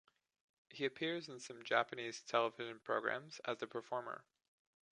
He appears in some Japanese television programs as a performer.